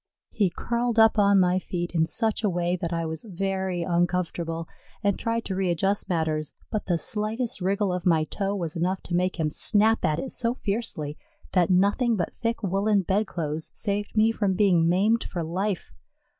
He curled up on my feet in such a way that I was very uncomfortable and tried to readjust matters, but the slightest wriggle of my toe was enough to make him snap at it so fiercely that nothing but thick woollen bedclothes saved me from being maimed for life.